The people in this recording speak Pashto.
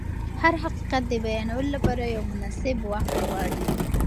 هر حقیقت د بیانولو لپاره یو مناسب وخت غواړي.